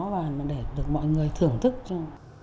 và để được mọi người thưởng thức cho